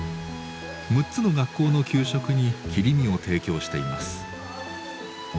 ６つの学校の給食に切り身を提供しています。